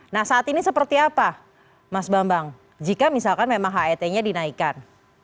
nah saat ini seperti apa mas bambang jika misalkan memang het nya dinaikkan